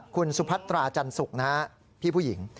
คุณสุพัตราจันสุกนะฮะ